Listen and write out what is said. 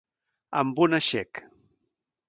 Amb un aixec.